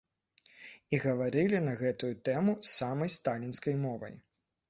І гаварылі на гэтую тэму самай сталінскай мовай.